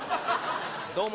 どうも。